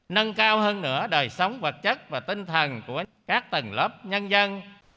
nâng cao hơn nữa đời sống vật chất và tinh thần của các tầng lớp nhân dân